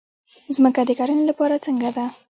ځمکه د کرنې لپاره څنګه ده؟